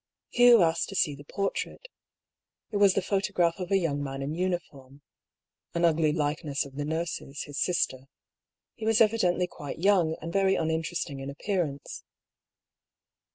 Hugh asked to see the portrait. It was the photo graph of a young man in uniform — an ugly likeness of the nurse's, his sister. He was evidently quite young, and yery uninteresting in appearance.